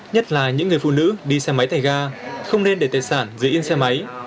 nhất là những người phụ nữ đi xe máy thành ga không nên để tài sản dưới yên xe máy